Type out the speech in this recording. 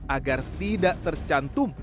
agar tidak tercantum